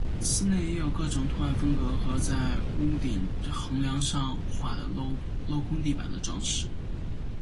寺内也有各种图案风格和在屋顶横梁上画的镂空地板的装饰。